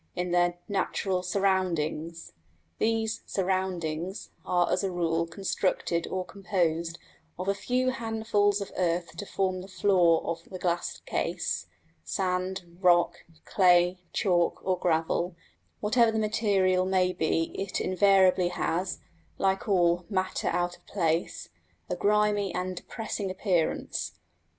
in their "natural surroundings." These "surroundings" are as a rule constructed or composed of a few handfuls of earth to form the floor of the glass case sand, rock, clay, chalk, or gravel; whatever the material may be it invariably has, like all "matter out of place," a grimy and depressing appearance.